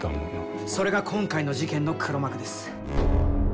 それが今回の事件の黒幕です。